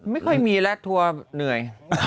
ไม่ค่อยมีแล้วทัวร์เหนื่อย